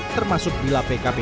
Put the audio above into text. termasuk bila pkb